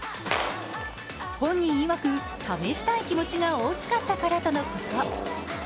本人いわく、試したい気持ちが大きかったからとのこと。